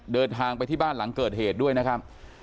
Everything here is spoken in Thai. เดินทางไปที่บ้านหลังเกิดเหตุด้วยนะครับ